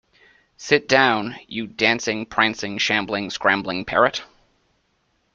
Sit down, you dancing, prancing, shambling, scrambling parrot!